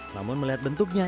namun melihat bentuknya